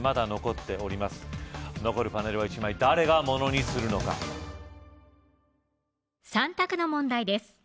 残るパネルは１枚誰がものにするのか３択の問題です